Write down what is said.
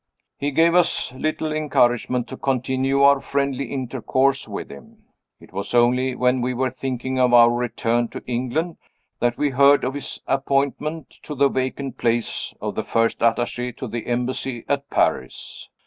He gave us little encouragement to continue our friendly intercourse with him. It was only when we were thinking of our return to England that we heard of his appointment to the vacant place of first attache to the Embassy at Paris.